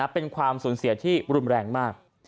เป็นความสูญเสียที่รุนแรงมาก